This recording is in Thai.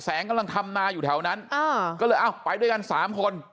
แสงกำลังทำนาอยู่แถวนั้นก็เลยไปด้วยกัน๓คน